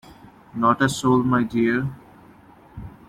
Not a soul, my dear.